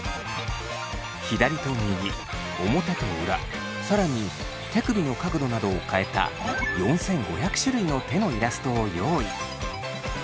左と右表と裏更に手首の角度などを変えた４，５００種類の手のイラストを用意。